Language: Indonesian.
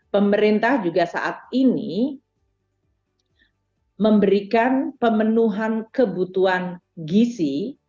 pemerintah juga saat ini memberikan pemenuhan kebutuhan gizi